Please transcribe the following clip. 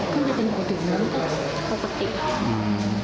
ขึ้นมาเป็นผู้เดิมมือพอปติ